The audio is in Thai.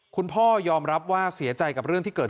ส่งมาขอความช่วยเหลือจากเพื่อนครับ